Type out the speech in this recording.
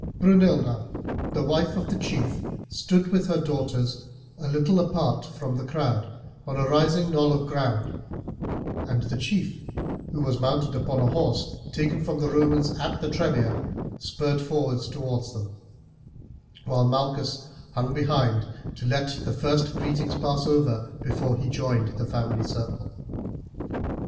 Brunilda, the wife of the chief, stood with her daughters a little apart from the crowd on a rising knoll of ground, and the chief, who was mounted upon a horse taken from the Romans at the Trebia, spurred forward towards them, while Malchus hung behind to let the first greeting pass over before he joined the family circle.